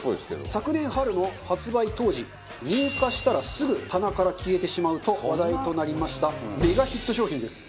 昨年春の発売当時入荷したらすぐ棚から消えてしまうと話題となりましたメガヒット商品です。